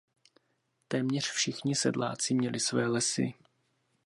Téměř všichni sedláci měli své lesy.